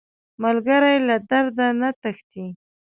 ملګری له درده نه تښتي